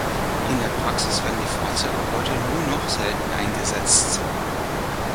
In der Praxis werden die Fahrzeuge heute nur noch selten eingesetzt.